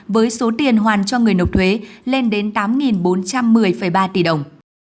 với số tiền hoàn cho người nộp thuế lên đến tám bốn trăm một mươi ba tỷ đồng